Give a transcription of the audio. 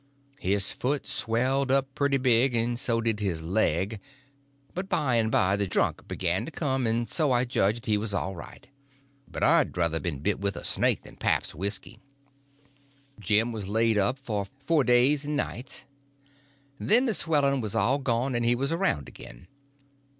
His foot swelled up pretty big, and so did his leg; but by and by the drunk begun to come, and so I judged he was all right; but I'd druther been bit with a snake than pap's whisky. Jim was laid up for four days and nights. Then the swelling was all gone and he was around again.